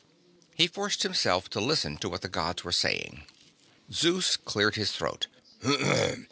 He forced himself to listen to what the Gods were saying. Zeus cleared his throat.